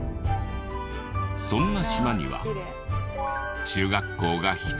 そんな島には中学校が一つだけ。